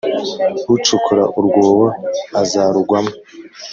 Ucukura urwobo azarugwamo,